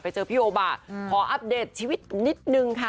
เจอพี่โอบาขออัปเดตชีวิตนิดนึงค่ะ